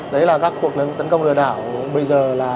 đấy là các cuộc tấn công lừa đảo bây giờ là